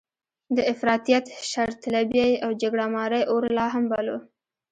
د افراطیت، شرطلبۍ او جګړه مارۍ اور لا هم بل و.